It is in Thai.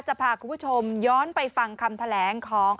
จะพาคุณผู้ชมย้อนไปฟังคำแถลงของ